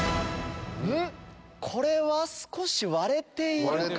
これは少し割れているか。